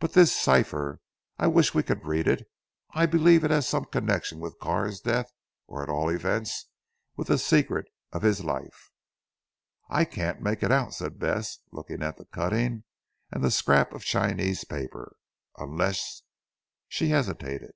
But this cipher? I wish we could read it. I believe it has some connection with Carr's death, or at all events with the secret of his life." "I can't make it out," said Bess looking at the cutting and the scrap of Chinese paper, "unless " she hesitated.